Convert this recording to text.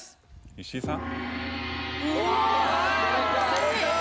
石井さん？